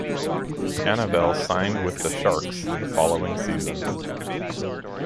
Annabel signed with the Sharks the following season.